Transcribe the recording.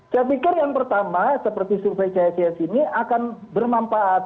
saya pikir yang pertama seperti survei csis ini akan bermanfaat